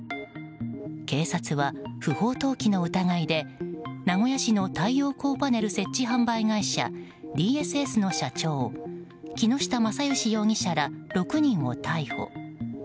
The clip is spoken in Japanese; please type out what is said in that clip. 警察は不法投棄の疑いで名古屋市の太陽光パネル設置販売会社ディーエスエスの社長木下誠剛容疑者ら６人を逮捕。